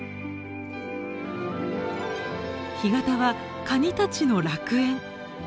干潟はカニたちの楽園。